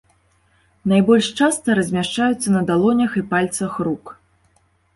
Найбольш часта размяшчаюцца на далонях і пальцах рук.